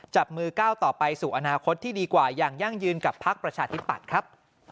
จับมือก้าวต่อไปสู่อนาคตที่ดีกว่าอย่างยั่งยืนกับพักประชาธิปัตย์ครับ